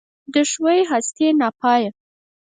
د ښېوې هستي ناپایه